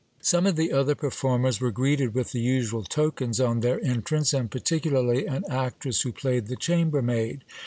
Some of the other performers were greeted with the usual tokens on their en trance, and particularly an actress who played the chambermaid.